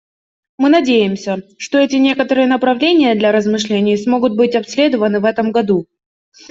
Мы надеемся, что эти некоторые направления для размышлений смогут быть обследованы в этом году.